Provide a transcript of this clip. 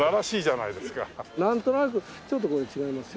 なんとなくちょっとここ違います。